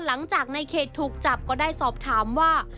หลังจากในเขตถูกจับก็ได้สอบถามว่า